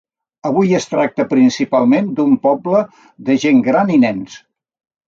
Avui es tracta principalment d'un poble de gent gran i nens.